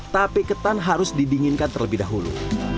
tape ketan harus didinginkan terlebih dahulu